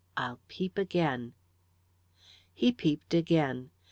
I'll peep again." He peeped again.